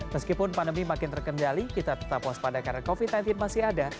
meskipun pandemi makin terkendali kita tetap waspada karena covid sembilan belas masih ada